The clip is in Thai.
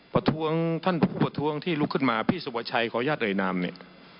ประท้วงท่านผู้ประท้วงที่ลุกขึ้นมาพี่สุภาชัยขออนุญาตเอ่ยนามเนี่ย